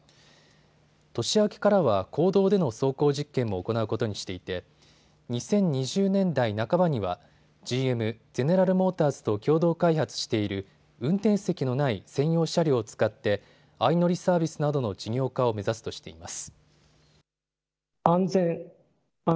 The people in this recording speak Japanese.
年明けからは公道での走行実験も行うことにしていて２０２０年代半ばにはＧＭ・ゼネラル・モーターズと共同開発している運転席のない専用車両を使って相乗りサービスなどの事業化を目指すとしています。